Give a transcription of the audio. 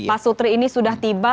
pak sutri ini sudah tiba